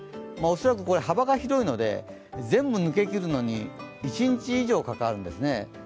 恐らく幅が広いので、全部抜けきるのに一日以上かかるんですね。